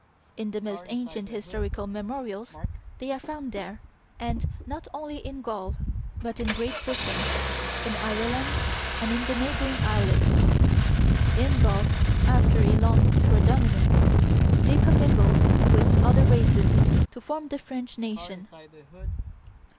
In the most ancient historical memorials they are found there, and not only in Gaul, but in Great Britain, in Ireland, and in the neighboring islets. In Gaul, after a long predominance, they commingled with other races to form the French nation.